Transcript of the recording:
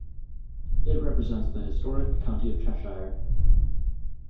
It represents the historic county of Cheshire.